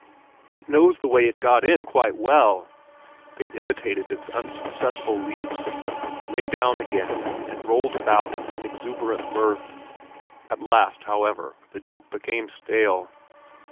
"It knows the way it got in quite well!" They imitated its unsuccessful leaps, lay down again and rolled about in exuberant mirth. At last, however, the joke became stale.